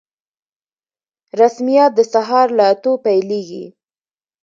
رسميات د سهار له اتو پیلیږي